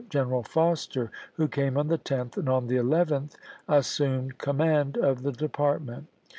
General Foster, who came on the 10th, and on the 11th assumed command of the Department.